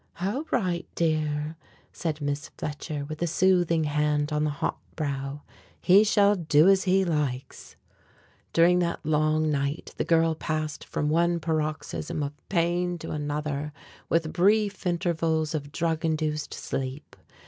"All right, dear," said Miss Fletcher, with a soothing hand on the hot brow; "he shall do as he likes." During that long night the girl passed from one paroxysm of pain to another with brief intervals of drug induced sleep.